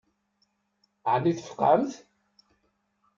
Ɛni tfeqɛemt?